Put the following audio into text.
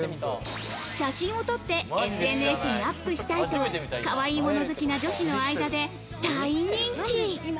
写真を撮って、ＳＮＳにアップしたいと、かわいいもの好きな女子の中で大人気。